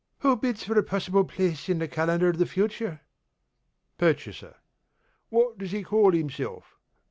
Who bids for a possible place in the Calendar of the Future? PURCHASER: What does he call himself?